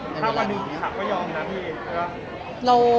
ถ้าวันนี้เขายอมให้พีครับ